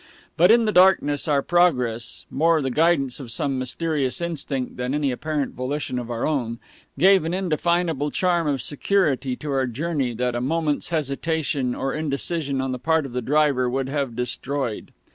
But in the darkness our progress, more the guidance of some mysterious instinct than any apparent volition of our own, gave an indefinable charm of security to our journey that a moment's hesitation or indecision on the part of the driver would have destroyed.